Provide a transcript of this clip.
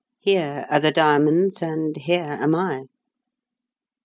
Here are the diamonds and here am I!"